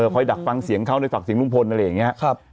คอยดักฟังเสียงเขาในฝักศิลป์ลุงพลอะไรอย่างนี้